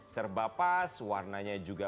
serbapas warnanya juga